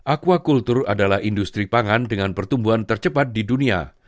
aquacultur adalah industri pangan dengan pertumbuhan tercepat di dunia